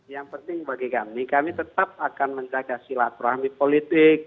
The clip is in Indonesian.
yang penting bagi kami kami tetap akan menjaga silaturahmi politik